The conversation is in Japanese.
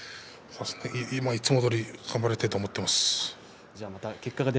今はいつもどおりに頑張りたいと思っています。